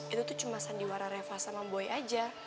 itu tuh cuma sandiwara reva sama boy aja